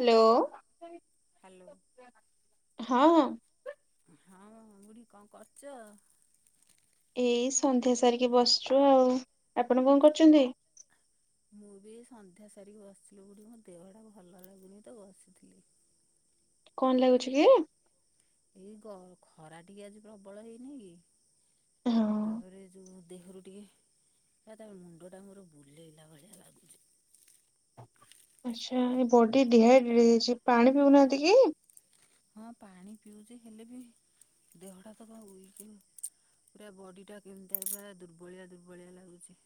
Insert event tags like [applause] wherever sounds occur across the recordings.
Hello. Hello. ହଁ ହଁ। ହଁ ବୁଢି କଣ କରୁଚ? ଏଇ ସନ୍ଧ୍ୟା ସାରିକି ବସିଛୁ ଆଉ, ଆପଣ କଣ କରୁଚନ୍ତି। ମୁଁ ବି ସନ୍ଧ୍ୟା ସାରିକି ବସିଥିଲି ବୁଢି, ମୋ ଦେହଟା ଭଲ ଲାଗୁନି ତ ବସିଥିଲି। କଣ ଲାଗୁଛି କି? ଏଇ ଖରା ଟିକେ ଆଜି ପ୍ରବଳ ହେଇନି କି? ହଁ ତାପରେ ଯୋଉ ଦେହରୁ ଟିକେ ତା ମୁଣ୍ଡ ଟା ମୋର ବୁଲେଇଲା ଭଳିଆ ଲାଗୁଛି। ଆଛା ଏ ବଡି ଡିହାଇଡ୍ରେଟ ହେଇଛି ପାଣି ପିଉନାହାନ୍ତି କି? ହଁ ପାଣି ପିଉଛି ହେଲେ ବି ଦେହଟା ତ କଅଁ ଉଇକ ପୁରା ବଡି ଟା କେମିତି ପୁରା ଦୁର୍ବଳିଆ ଦୁର୍ବଳିଆ ଲାଗୁଛି।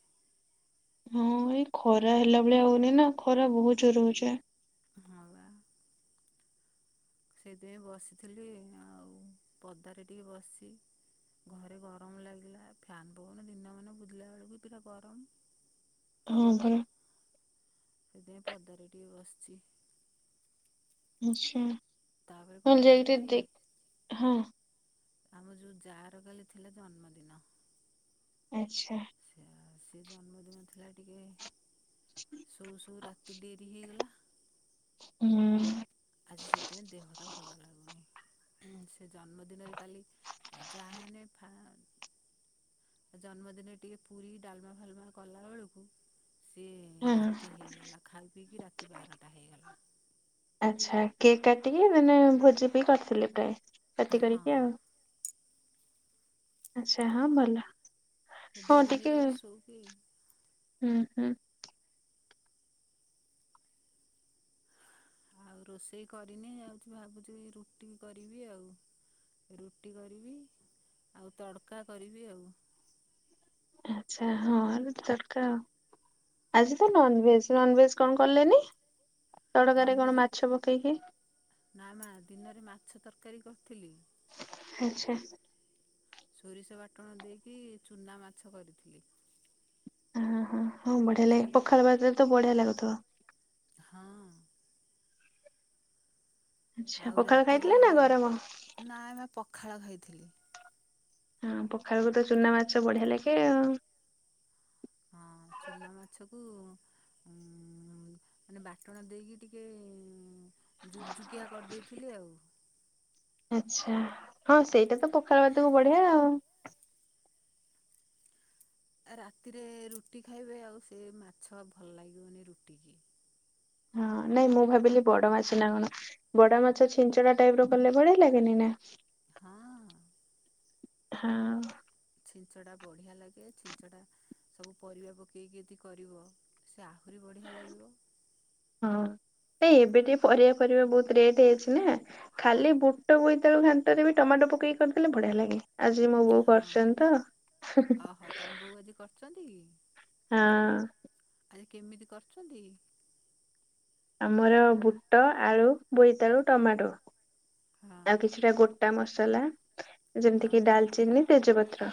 ହଁ ଏଇ ଖରା ହେଲା ଭଳିଆ ହଉନି ନା ଖରା ବହୁତ ଜୋର ହଉଛି। ହ ବା ସେଇଥିପାଇଁ ବସିଥିଲି ଆଉ ପଦାରେ ଟିକେ ବସିଛି। ଘରେ ଗରମ ଲାଗିଲା ଫ୍ୟାନ ପବନ ଦିନ ମାନେ ବୁଲିଲା ବେଳକୁ ପୁରା ଗରମ ହଁ ପବନ ପରା ସେଥିପାଇଁ ପଦାରେ ଟିକେ ବସିଛି। ଆଛା, ତାପରେ କଣ ହଲେ ହେଲା ଯାଇକ ଟ କି ଦେଖ ହଁ ଆମ ଯୋଉ ଯାର କାଲି ଥିଲା ଜନ୍ମଦିନ। ଆଛା। ସେ ସେ ଜନ୍ମଦିନ ଥିଲା ଟିକେ ସୋଉ ସୋଉ ରାତି ଡେରି ହେଇଗଲା। ହୁଁ ଆଜି ସେଥିପାଇଁ ଦେହ ଟା ଭଲ ଲାଗୁନି। ସେ ଜନ୍ମ ଦିନରେ କାଲି ଯାହାନେ ଫା ତା ଜନ୍ମଦିନରେ ଟିକେ ପୁରୀ ଡାଲମା ଫାଲମା କଲା ବେଳକୁ ସିଏ ହଁ ରାତି ହେଇଗଲା। ଖାଇ ପିଇକି ରାତି ବାରଟା ହେଇଗଲା। ଆଛା, କେକ୍ କାଟିକି ମାନେ ଭୋଜି ବି କରିଥିଲେ ପ୍ରାୟ ପାଟି କରିକି ହଁ ଆଉ ଆଛା ହଁ ଭଲ। ସେ ହଁ ଡେରି ଟିକେ ହେଇଗଲା ଶୋଇକି ହୁଁ ହୁଁ ଆଉ ରୋଷେଇ କରିନି ଯାଉଛି ଭାବୁଛି ରୁଟି କରିବି ଆଉ ରୁଟି କରିବି ଆଉ ତଡ଼କା କରିବି ଆଉ ଆଛା ହଁ ଆଲୁ ତଡକା ଆଜି ତ ନନଭେଜ, ନନଭେଜ କଣ କଲେନି, ତଡକାରେ କଣ ନନଭେଜ ମାଛ ପକେଇକି? ନା ମା ଦିନରେ ମାଛ ତରକାରୀ କରିଥିଲି। ଆଛା। ସୋରିଷ ବାଟଣ ଦେଇକି ଚୁନା ମାଛ କରିଥିଲି। ହଁ ହଁ ହଁ ବଢିଆ ଲାଗେ ପଖାଳ ଭ। ତରେ ତ ବଢିଆ ଲାଗୁଥିବ। ହଁ। ଆଚ୍ଛା ଆଉ ପଖାଳ ଖାଇଥିଲେ ନା ଗରମ? ରାତିରେ-ନା ମା ପଖାଳ ଖାଇଥିଲି। ପଖାଳକୁ ତ ଚୁନାମାଛ ବଢ଼ିଆ ଲାଗେ ଆଉ। ହଁ ଚୁନା ମାଛକୁ ଉ ଉଁ--ମାନେ ବାଟଣ ଦେଇକି ଟିକେ ଜୁକଜୁକିଆ କରିଦେଇଥିଲି ଆଉ। ଆଚ୍ଛା ହଁ ସେଇଟା ତ ପଖାଳ ଭାତକୁ ବଢିଆ ଆଉ। ଆ ରାତିରେ ରୁଟି ଖାଇବେ ଆଉ ସେ ମାଛ ଭଲ ଲାଗିବନି ରୁଟି କି। ହଁ ନାଇଁ ମୁଁ ଭାବିଲି ବଡ଼ ମାଛ ନା କଣ। ବଡ଼ମାଛ ଛିଞ୍ଚଡା଼ ଟାଇପର କଲେ ବଢ଼ିଆ ଲାଗେନି ନା। ହଁ। ହାଁ ଉ। ଛିଞ୍ଚଡାବଢ଼ିଆ ଲାଗେ, ଛିଞ୍ଚ ଡା ସବୁ ପରିବା ପକେଇକି ଯଦି କରିବ ସେ ଆହୁରି ବଢ଼ିଆ ଲାଗିବ। ହଁ ନା‌ ଏବେ ଟିକେ ପରିବା ଫରିବା ବହୁତ ରେଟ୍ ହେଇଛି ନା। ଖାଲି ବୁଟ, ବୋଇତାଳୁ ଘାଣ୍ଟରେ ବି ଟମାଟୋ ପକେଇ କରିଦେଲେ ବଢିଆ ଲାଗେ। ଆଜି ମୋ ବୋଉ ହଁ କରୁଚନ୍ତି ତ ହୁଁ ହୁଁ। ଓହୋ ତମ ବୋଉ ଆଜି କର ଚନ୍ତି କି? ହଁ। ଆରେ କେମିତି କରୁଛନ୍ତି? ଆମର ବୁଟ, ଆଳୁ, ବୋଇତାଳୁ, ଟମାଟୋ ହଁ ଆଉ କିଛିଟା ଗୋଟା ମସଲା, ହଁ ଯେମିତିକିି ଡାଲଚିନି ତେଜପତ୍ର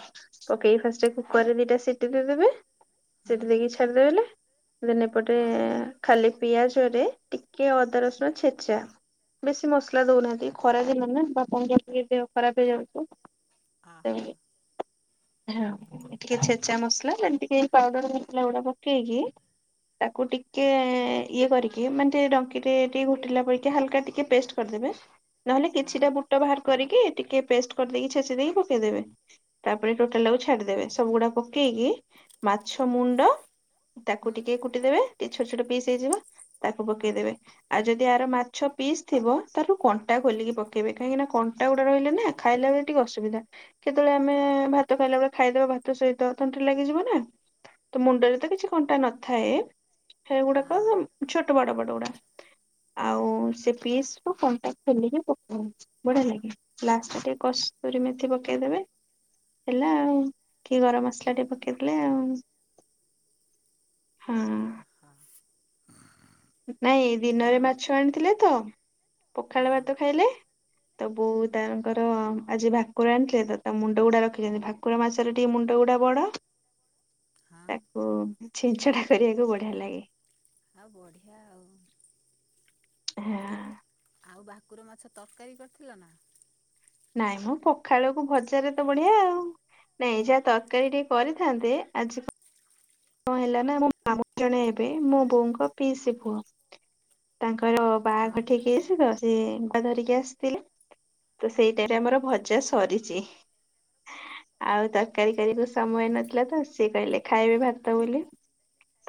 ପକେଇକି ଫାଷ୍ଟ କୁକର ରେ ଦିଟା ସିଟି ଦେଇ ଦେବେ ହୁଁ ସେଠି ଦେଇକି ଛାଡ଼ିଦେବେଲେ ଦେନ୍ ଏପଟେ ହଁ ଖାଲି ପିଆଜ ରେ ଟିକେ ଅଦା ରସୁଣ ଛେଚା ବେଶୀ ମସଲା ଦଉନାହାନ୍ତି ଖରା ଦିନ ନା ବାପାଙ୍କ ଦେହ ଟା ବି ଦେହ ଖରାପ ହେଇଯାଉଚି। ଆ ହା। ହଁ ଟିକେ ଛେଚା ମସଲା ଯେମିତିକି ପାଉଡରମାସଲା ଗୁଡ଼ା ପକେଇକି ତାକୁ ଟିକେ ଇଏ କରିକି ମାନେ ଟିକେ ଡଙ୍କି ରେ ଟିକେ ଘୋଟିଲା ପରିକା ହାଲକା ଟିକେ ପେଷ୍ଟ କରିଦେବେ। ନହେଲେ ହଁ କିଛିଟା ବୁଟ ବାହାର କରିକି ଟିକେ ପେଷ୍ଟ କରିଦେଇକି ଛେଚି ଦେଇକି ପକେଇଦେବେ। ତାପରେ ଟୋଟାଲ ଟାକୁ ଛାଡ଼ିଦେବେ ସବୁ ଗୁଡ଼ା ପକେଇକି, ମାଛ, ମୁଣ୍ଡ, ତାକୁ ହୁଁ ଟିକେ କୁଟିଦେବେ ଟିକେ ଛୋଟ ଛୋଟ ପିସ୍ ହେଇଯିବା ତାକୁ ହଁ ପକେଇଦେବେ। ଆଉ ଯଦି ଆର ମାଛ ପିସ୍ ଥିବ ତାର କଣ ଣ୍ଟା ଖୋଲିକି ପକେଇବେ କାହିଁକି ନା କଣ୍ଟାଗୁଡା଼ ରହିଲେ ନା ଖାଇଲାବେଳେ ଟିକେ ଅସୁବିଧା। କେତେବେଳେ ଆମେ ଭାତ ଖାଇଲା ବେଳେ ଖାଇଦବା ଭାତ ସହିତ ତଣ୍ଟିରେ ଲାଗିଯିବ ନା ତ ମୁଣ୍ଡରେ ତ କିଛି କଣ୍ଟା ନଥାଏ। ସେଗୁଡ଼ାକ ହଁ ଛୋଟ ବଡ଼ ବଡ଼ ଗୁଡ଼ା ଆଉ ସେ ପିସ୍ କୁ କଣ୍ଟା ଖୋଲିକି ପ ବଢ଼ିଆ ଲାଗେ, ଲାଷ୍ଟ୍ ରେ ଟିକେ କସ୍ତୁରିମେଥି ପକେଇଦେବେ ହେଲା ଆଉ କିଏ ଗରମ ଭା ମସଲା ଟିକେ ପକେଇଦେଲେ ଆଉ ହଁ। ହଁ। ନାଇଁ ନା ଦିନରେ ମାଛ ଆଣିଥିଲେ ତ ହଁ ପଖାଳ ଭାତ ଖାଇଲେ ତ ବୋଉ ତାଙ୍କର ଆଜି ଭାକୁର ଆଣିଥିଲେ ତ ତା ମୁଣ୍ଡ ଗୁଡ଼ା ରଖିଛନ୍ତି ଭା କୁର ମାଛର ଟିକେ ମୁଣ୍ଡ ଗୁଡ଼ା ବଡ଼। ହଁ ତାକୁ ଛିଞ୍ଚେଡ଼ା କରିବାକୁ ବଢ଼ିଆ ଲାଗେ। ଆଉ ବଢ଼ିଆ ଆଉ। ହଁ। ଆଉ ଭାକୁର ମାଛ ତରକାରୀ କରିଥିଲ ନା? ନାଇଁ ମ ପଖାଳକୁ ଭଜାରେ ତ ବଢ଼ିଆ ଆଉ। ନାଇଁ ଯାହା ତରକାରୀ ଟିକେ କରିଥାନ୍ତେ ଆଜି କଣ ହେଲା ନା ମୋ ମାମୁ ଜଣେ ଏବେ ମୋ ବୋଉଙ୍କ ପିଇସି ପୁଅ ତାଙ୍କର ହଁ ବାହାଘର ଠିକ୍ ହେଇଚି ତ ସେ [unintelligible] ଧରିକି ଆସିଥିଲେ ତ ସେଇଟାରେ ଆମର ଭଜା ସରିଚି। ଆଉ ତରକାରୀ କରୀ କୁ ହଁ ସମୟ ନଥିଲା ତ ସିଏ କହିଲେ ଖାଇବେ ଭାତ ବୋଲି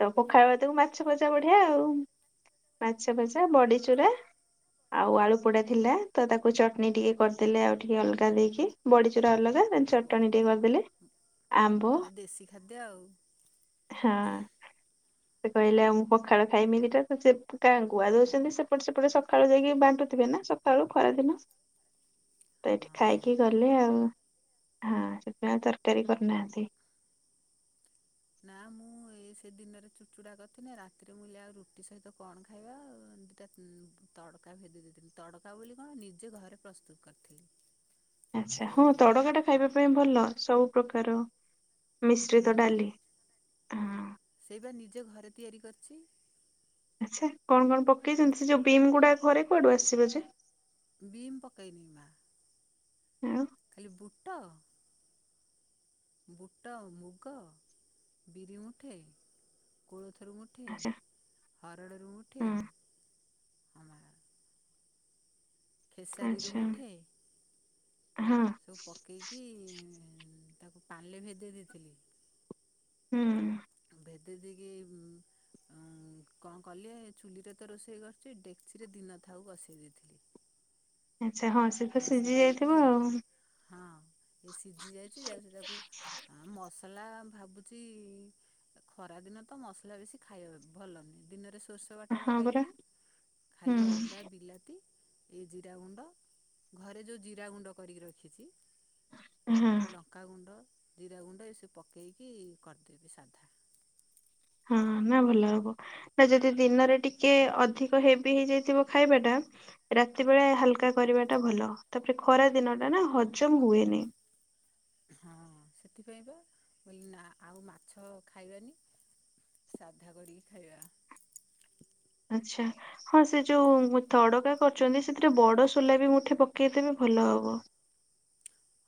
ତ ପଖାଳ ଭାତକୁ ମାଛ ଭଜା ବଢ଼ିଆ ଆଉ ମାଛ ଭଜା ବଡ଼ି ଚୁରା। ଆଉ ଆଳୁ ପୋଡ଼ା ଥିଲା ତ ତାକୁ ଚଟଣି ଟିକେ କରିଦେଲେ ଆଉ ଟିକେ ଅଲଗା ଦେଇକି ବଡ଼ି ଚୁରା ଅଲଗା। ଆଉ ଚଟଣି ଟିକେ କରିଦେଲେ ଆମ୍ବ ଆ ଦେଶୀ ଖାଦ୍ୟ ଆଉ। ହଁ। [inaudible] ସେ କହିଲା ଆ ମୁଁ ପଖାଳ ଖାଇମି ଦିଟା [unintelligible] ଗୁଆ ଦଉଛନ୍ତି ସେପଟେ ସେପଟେ ସକାଳୁ ଯାଇକି ବାଣ୍ଟୁଥିବେ ନା ତଳୁ ଖରାଦିନ। [unintelligible] ତ ଏଠି ହଁ ଖାଇକି ଗଲେ ଆଉ ହଁ ସେଥିପାଇଁ ତରକାରୀ କରୁନାହାନ୍ତି। ନା ମୁଁ ଏ ସେ ଦିନରେ ଚୁଡ଼ଚୁଡା କରିଥିଲିନି ରାତିରେ ମୁଁ ଆଉ ରୁଟି ସହିତ କଣ ଖାଇବା। ତଡକା ଭେଦେଇ ଦେଇଥିଲି ତଡକା ବୋଲି କଣ ନିଜେ ଘରେ ପ୍ରସ୍ତୁତ କରିଥିଲି। ଆଚ୍ଛା ହଁ ଯେଉଁ ତଡକା ଟା ଖାଇବା ପାଇଁ ଭଲ ସବୁ ପ୍ରକାର ହଁ ମିଶ୍ରିତ ଡାଲି ହଁ। ସେଇ ବା ନିଜ ଘରେ ତିଆରି କରିଛି। ଆଚ୍ଛା କଣ କଣ ପକେଇଛନ୍ତି ସେ ଯୋଉ ବିମ୍ ଗୁଡା ଘରେ କୁଆଡୁ ଆସିବ ଯେ। ବିିମ୍ ପକେଇନି ବା ହଁ ଖାଲି ବୁଟ ବୁଟ ମୁଗ ବିରି ମୁଠେ କୋଳଥରୁ ମୁଠେ ଆଚ୍ଛା ଉଠେ ହରଡ଼ ରୁ ଉଠେ ହଁ ଆମ ଖେସାରୀରୁ ଆଚ୍ଛା ମୁଠେ ହଁ ସବୁ ପକାଇକି ତାକୁ ପାଲେ ଭେଦେଇ ଦେଇଥିଲି। ହୁଁ ଭେଦେଇ ଦେଇକି। କଣ କଲି ଚୁଲିରେ ତ ରୋଷେଇ କରଛି ଡେକ୍ଚିରେ ଦିନ ଥାଉ ବସେଇ ଦେଇଥିଲି ଆଚ୍ଛା ହଁ ସେ ତା ବସେଇ ସିଝି ଦେଇକି ଯାଇଥିବ ଆଉ। ହଁ ସିଝି ଯାଇଛି ଯାହା ତାକୁ। ଆ ମସଲା ଭାବୁଛି। ଖରା ଦିନ ତ ମସଲା ବେଶି ଖାଇବା ଭଲନି ଦିନରେ ସୋଷ। ବାଟଣ ହଁ ପରା ଖାଇଥିଲି ହୁଁ ଖାଲି ଅଦା ବିଲାତି ଏ ଜିରା ଗୁଣ୍ଡ ଘରେ ଯୋଉ ଜିରା ଗୁଣ୍ଡ କରିକି ରଖିଛି। ହୁଁ ଲଙ୍କାଗୁଣ୍ଡ ଜିରା ଗୁଣ୍ଡ ଏସବୁ ପକେଇକି କରିଦେବି ସାଧା। ହଁ ନା ଭଲ ହବ। ନା ଯଦି ଦିନରେ ଟିକେ ଅଧିକ ହେଭି ହେଇଯାଇଥିବ ଖାଇବା ଟା। ରାତି ବେଳେ ହାଲକା କରିବା ଟା ଭଲ ତାପରେ ଖରା ଦିନ ଟା ନା ହଜମ ହୁଏନି। ହଁ ସେଥିପାଇଁ ବା ବ ନା ଆଉ ମାଛ ଖାଇବନି। ସାଧା କରିକି ଖାଇବା। ଆଚ୍ଛା ହଁ ସେ ଯୋଉ ତଡକା କରୁଛନ୍ତି ସେଥିରେ ବଡ ସୋଲା ବି ମୁଁଠେ ପକେଇଦେଲେନି ଭଲ ହବ।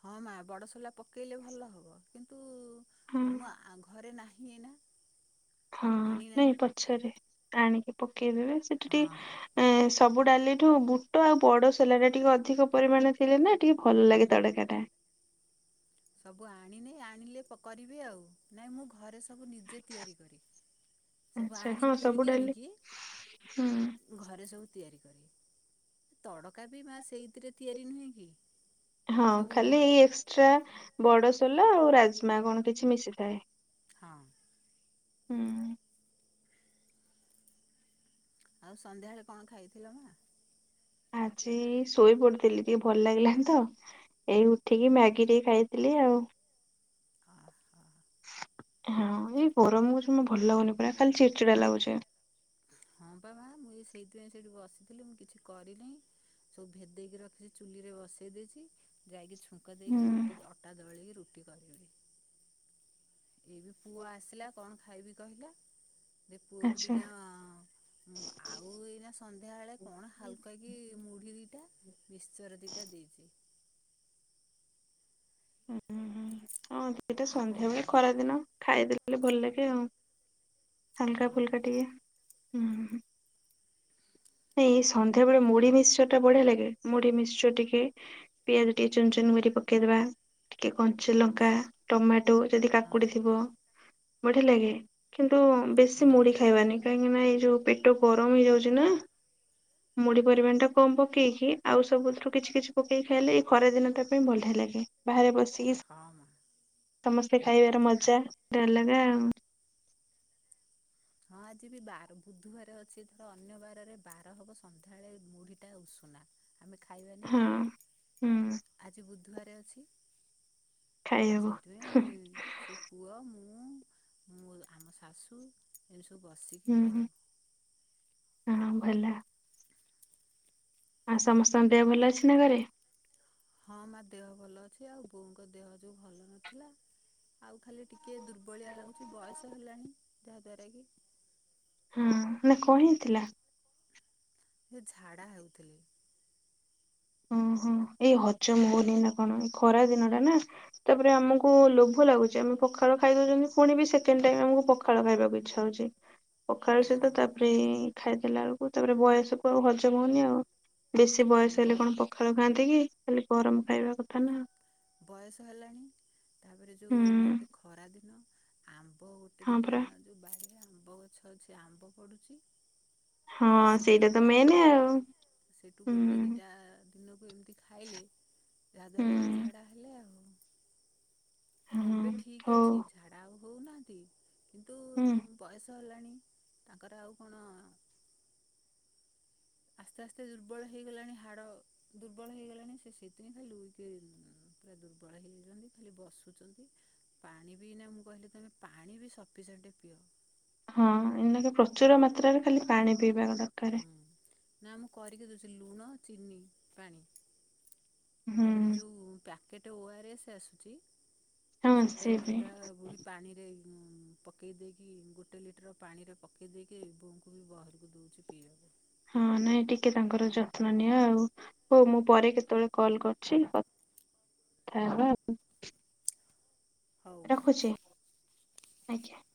ହଁ ମା ବଡ଼ ସୋଲା ପକେଇଲେ ଭଲ ହବ କିନ୍ତୁ ହଁ ମୁଁ ଘରେ ନାହି ଏଇନା। ହଁ ନାଇଁ ଆଣିନାହିଁ ପଛରେ ଆଣିକି ପକେଇଦେବେ ସେଠି ହଁ ଟିକେ ଏଁ ସବୁ ଡାଲିଠୁ ବୁଟ ଆଉ ବଡ ସୋଲା ଟା ଟିକେ ଅଧିକ ପରିମାଣ ଥିଲେ ନା ଟିକେ ଭଲ ଲାଗେ ତଡ଼କା ଟା ସବୁ ଆଣିନି ଆଣିଲେ କରିବି ଆଉ ନାଇଁ ମୁଁ ଘରେ ସବୁ ନିଜେ ତିଆରି କରେ। ସବୁ ଆଛା ଆଣି ହଁ ସବୁ କିଣିକି ଡେଲି ଆଣିକି ହୁଁ। ଘରେ ସବୁ ତିଆରି କରେ ତଡକା ବି ମା ସେଇଥିରେ ତିଆରି ନୁହେଁ କି? ହଁ ସବୁ ଖାଲି ଏଇ ଏକ୍ସଟ୍ରା ବଡସୋଲା ଆଉ ରାଯମା କଣ କିଛି ମିଶିଥାଏ। ହଁ ହୁଁ ଆଉ ସନ୍ଧ୍ୟାବେଳେ କଣ ଖାଇଥିଲ ମା ଆଜି ଶୋଇ ପଡିଥିଲି ଟିକେ ଭଲ ଲାଗିଲାନି ତ। ଏଇ ଉଠିକି ମ୍ୟାଗି ଟିକେ ଖାଇଥିଲି ଆଉ। ଆ ହଁ ଏଇ ଗରମ ହୋଇଚି ଜମା ଭଲ ଲାଗୁନି ପରା ଖାଲି ଚିଡି ଚିଡା ଲାଗୁଚି। ହଁ ପାବା ମୁଁ ଏଇ ସେଇଥିପାଇଁ ସେଇଠି ବସିଥିଲି ମୁଁ କିଛି କରିନେଇ। ସବୁ ଭେଦେଇକି ରଖି ଚୁଲିରେ ବସେଇ ଦେଇଚି ଯାଇକି ଚୁ ଟଙ୍କା ହୁଁ ଦେଇକି ରୁଟି ଅଟା ଦଳିକି ରୁଟି କରିଦେବି। ଏଇ ବି ପୁଅ ଆସିଲା କଣ ଖାଇବି କହିଲା ଦେ ପୁଅକୁ ଆଚ୍ଛା। ଦିଟା ହଁ ଆଉ ଏଇନା ସନ୍ଧ୍ୟାବେଳେ କଣ ହାଲକା କି ମୁଢି ଦିଟା ମିଶ୍ଚର ଦିଟା ଦେଇଚି। ହୁ ହୁଁ ହଁ ଦିଟା ଆଉ କଣ ସନ୍ଧ୍ୟାବେଳେ କରିବା? ଖରା ଦିନ ଖାଇଦେଲେ ଭଲ ଲାଗେ ଆଉ। ହଁ ହଲକା ଫୁଲକା ଟିକେ ଉଁ ହୁଁ। ଏ ସନ୍ଧ୍ୟାବେଳେ ମୁଢ ମିଶ୍ଚର ଟା ବଢିଆ ଲାଗେ ମୁଢି ମିଶ୍ଚର ଟିକେ ପିଆଜ ଟିକେ ଚୁନ ଚୁନ କରି ପକେଇଦବା। ଟିକେ କଞ୍ଚା ଲଙ୍କା ଟମାଟୋ ଯଦି ହଁ କାକୁଡି ଥିବ ବଢିଆ ଲାଗେ। କିନ୍ତୁ ବେଶୀ ହଁ ମୁଢି ଖାଇବାନି କାହିଁକି ନା ଏଇ ଯୋଉ ପେଟ ଗରମ ହେଇଯାଉଚି ନା। ମୁଢି ପରିମାଣ ଟା କମ ପକେଇକି ଆଉ ସବୁଥିରୁ କିଛି କିଛି ପକେଇକି ଖାଇଲେ ଏଇ ଖରାଦିନ ଟା ପାଇଁ ଭଲ ଲାଗେ। ବାହାରେ ବସିକି ସେ ହଁ। ସମସ୍ତେ ଖାଇବାର ମଜା ଗୋଟେ ଅଲଗା ଆଉ। ହଁ ଆଜି ବି ବାର ବୁଧବାର ଅଛି ଧର ଅନ୍ୟ ବାରରେ ବାର ହବ ସନ୍ଧ୍ୟାବେଳେ ମୁଢିଟା ଉଷୁନା। ଆମେ ଖାଇବାନି ହଁ ହୁଁ। ଆଜି ବୁଧବାର ଅଛି। ଖାଇହବ ସେଥିପାଇଁ ସେ ପୁଅ ମୁଁ ମ ଆମ ଶାଶୁ ଏମିତି ସବୁ ବସିକି ହୁଁ ହୁଁ ଖାଇଲୁ। ହଁ ଭଲା। ଆ ସମସ୍ତଙ୍କ ଦେହ ଭଲ ଅଛି ନା ଘରେ? ହଁ ମା ଦେହ ଭଲ ଅଛି ଆଉ ବୋଉଙ୍କ ଦେହ ଯୋଉ ଭଲ ନଥିଲା ଆଉ ଖାଲି ଟିକ୍ କେ ଦୁର୍ବଳିଆ ଲାଗୁଚି ବୟସ ହେଲାଣି ଯାହାଦ୍ୱାରା କି ହୁଁ ନା କଣ ହେଇ ଥିଲା? ସିଏ ଝାଡା ହେଉଥିଲେ। ଓ ହୁଁ ଏଇ ହଜମ ହଉନି ନା କଣ ଏଇ ଖରା ଦିନ ଟା ନା। ତାପରେ ଆମକୁ ଲୋଭ ଲାଗୁଚି ଆମେ ପଖାଲ ଖାଇ ଦଉଛନ୍ତି ପୁଣି ବି ସେକଣ୍ଡ ଟାଇ ଆମକୁ ପଖା ଖାଳ ଖାଇବାକୁ ଇଛା ହଉଛି ପଖାଳ ସହିତ ତା ହଁ ପରେ ପରେ ଖାଇଦେଲା ବେଳକୁ ତାପରେ ବୟସ କୁ ଆଉ ହଜମ ହଉନି ଆଉ ବେଶୀ ବୟସ ହେଲେ କଣ ପ ଖାଳ ଖାଆନ୍ତି କି ଖାଲି ଗରମ ଖାଇବା କଥା ନା। ବୟସ ହେଲାଣି ତାପରେ ଯୋଉ ନା ହୁଁ। କି ଖରା ଦିନ ଆମ୍ବ ଉ ଗୋଟେ ହଁ ଦିଟା ପରା ଯୋଉ ବାଡିରେ ଆମ୍ବ ଗଛ ଅଛି ଆମ୍ବ ପଡୁଚି। ହଁ ସେଇଟା ସେତୁରୁ ତ ଯାହା ମେନ୍ ହେଲେ ଆଉ ସେଠୁ ହୁଁ ଗୋଟେ ଦିଟା ଦିନକୁ ଏମତି ଖାଇଲେ ଯାହା ଦ୍ଵାରା କି ଝା ହୁଁ। ହେଲେ ଆଉ ନା ହଁ ଏବେ ଠିକ ହଉ ଅଛି ଝାଡା ଆଉ ହଉନାହାନ୍ତି। କିନ୍ତୁ ହୁଁ। ବୟସ ହେଲାଣି ତାଙ୍କର ଆଉ କଣ ଆସ୍ତେ ଆସ୍ତେ ଦୁର୍ବଳ ହେଇଗଲାଣି ହାଡ ଦୁର୍ବଳ ହେଇଗଲାଣି ସେ ସେଇଥିନି ଖାଲି ଲୁଇକି ପୁରା ଦୁର୍ବଳ ହେଇଯାଇଚନ୍ତି ଖାଲି ବସୁଚନ୍ତି। ପାଣି ବି ନା ମୁଁ କହିଲି ତମେ ପାଣି ବି ସପିସେଣ୍ଟେ ପିଅ। ହଁ ଏଇନା କେ ପ୍ରଚୁର ମାତ୍ରାରେ ଖାଲି ପାଣି ପିଇବା କଥା। ହୁଁ, ନା ମୁଁ କରିକି ଦଉଛି ଲୁଣ ଚିନି ପାଣି। ହୁଁ ତାପରେ ଯୋଉ ପ୍ୟାକେଟ୍ ଓ ଆର ଏସ୍ ଆସୁଛି। ହଁ ସେଟା ସେ ବି ସୁଦ୍ଧା ପୁଣି ପାଣିରେ ଉଁ, ପକେଇ ଦେଇକି ଗୋଟେ ଲିଟର୍ ପାଣିରେ ପକେଇ ଦେଇକି ବୋଉଙ୍କୁ ବି ବାହାରକୁ ଦଉଛି ପିଇବାକୁ। ହଁ ନାଇଁ ଟିକେ ତାଙ୍କର ଯତ୍ନ ନିଅ ଆଉ। ହଉ ମୁଁ ପରେ କେତେବେଳେ କଲ୍ କରୁଛି କଥା ହବ ଆଉ। ହଉ ମା' ରଖୁଛି ଆଜ୍ଞା।